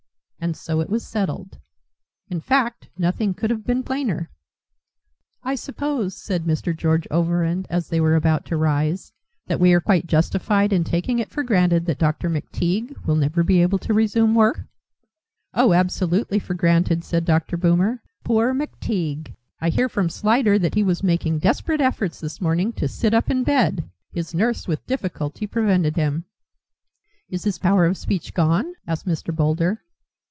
And so it was settled. In fact, nothing could have been plainer. "I suppose," said Mr. George Overend as they were about to rise, "that we are quite justified in taking it for granted that Dr. McTeague will never be able to resume work?" "Oh, absolutely for granted," said Dr. Boomer. "Poor McTeague! I hear from Slyder that he was making desperate efforts this morning to sit up in bed. His nurse with difficulty prevented him." "Is his power of speech gone?" asked Mr. Boulder.